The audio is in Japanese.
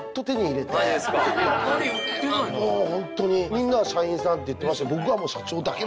みんなは社員さんって言ってましたけど。